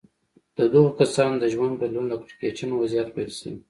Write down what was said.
د دغو کسانو د ژوند بدلون له کړکېچن وضعيت پيل شوی.